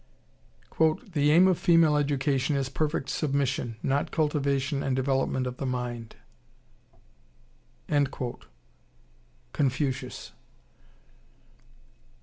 "The aim of female education is perfect submission, not cultivation and development of the mind." Confucius.